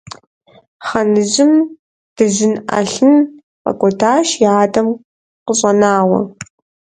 Хъаныжьым дыжьын ӏэлъын фӀэкӀуэдащ и адэм къыщӀэнауэ.